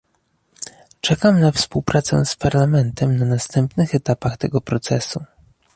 Czekam na współpracę z Parlamentem na następnych etapach tego procesu